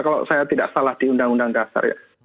kalau saya tidak salah di undang undang dasar ya